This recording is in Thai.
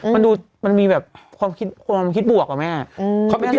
มันดูมันมีความคิดบวกละไหมอ่ะ